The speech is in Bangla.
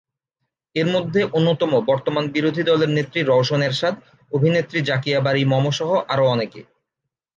এর মধ্যে অন্যতম বর্তমান বিরোধী দলের নেত্রী রওশন এরশাদ, অভিনেত্রী জাকিয়া বারী মম সহ আরও অনেকে।